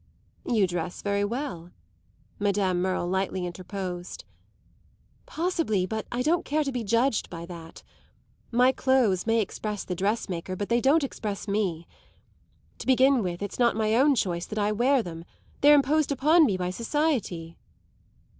"You dress very well," Madame Merle lightly interposed. "Possibly; but I don't care to be judged by that. My clothes may express the dressmaker, but they don't express me. To begin with it's not my own choice that I wear them; they're imposed upon me by society."